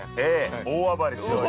◆大暴れしようよ。